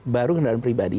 baru kendaraan pribadi